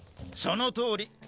そのとおり。